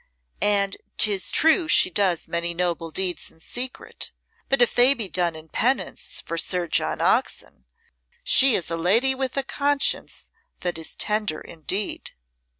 And 'tis true she does many noble deeds in secret; but if they be done in penance for Sir John Oxon, she is a lady with a conscience that is tender indeed."